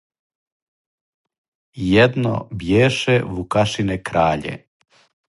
Једно бјеше Вукашине краље,